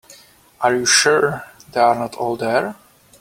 Are you sure they are not all there?